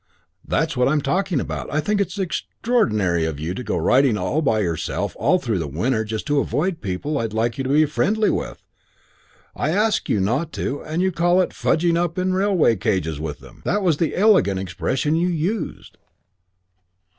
"That's what I'm talking about. I think it's extraordinary of you to go riding by yourself all through the winter just to avoid people I'd like you to be friendly with. I ask you not to and you call it 'fugging up in railway carriages with them.' That was the elegant expression you used."